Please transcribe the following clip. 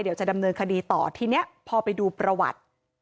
เดี๋ยวจะดำเนินคดีต่อทีนี้พอไปดูประวัติ